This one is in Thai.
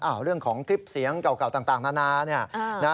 อ้าวเรื่องของคลิปเสียงเก่าต่างนานา